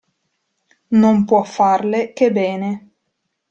Non può farle che bene.